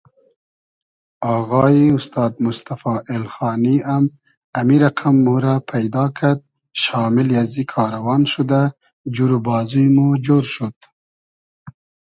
آغایی اوستاد موستئفا اېلخانی ام امی رئقئم مورۂ پݷدا کئد شامیلی ازی کاروان شودۂ جور و بازوی مۉ جۉر شود